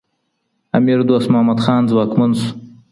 امیر دوست محمد خان ځواکمن شو